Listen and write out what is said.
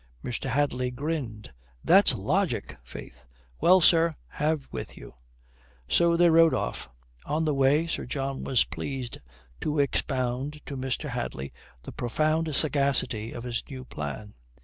Mr. Hadley grinned. "That's logic, faith. Well, sir, have with you." So off they rode. On the way Sir John was pleased to expound to Mr. Hadley the profound sagacity of his new plan.